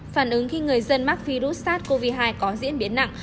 phản ứng khi người dân mắc virus sars cov hai có diễn biến nặng